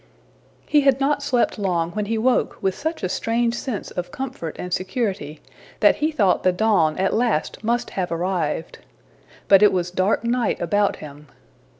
He had not slept long when he woke with such a strange sense of comfort and security that he thought the dawn at last must have arrived. But it was dark night about him.